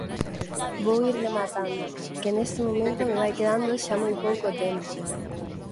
Vou ir rematando, que neste momento me vai quedando xa moi pouco tempo.